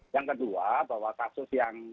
yang kedua bahwa kasus yang